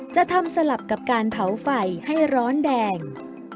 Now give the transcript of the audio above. จะทำสลับกับการเผาไฟให้ร้อนแดง